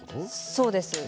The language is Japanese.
そうです